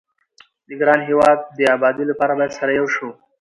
د ګران هيواد دي ابادي لپاره بايد سره يو شو